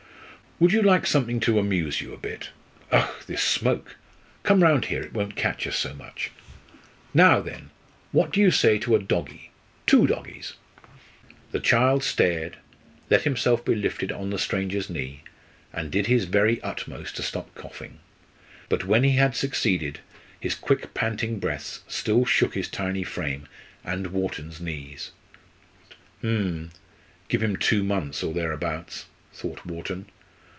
"Would you like something to amuse you a bit Ugh! this smoke! Come round here, it won't catch us so much. Now, then, what do you say to a doggie, two doggies?" The child stared, let himself be lifted on the stranger's knee, and did his very utmost to stop coughing. But when he had succeeded his quick panting breaths still shook his tiny frame and Wharton's knee. "Hm Give him two months or thereabouts!" thought Wharton.